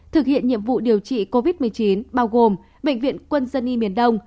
thực hiện nhiệm vụ điều trị covid một mươi chín bao gồm bệnh viện quân dân y miền đông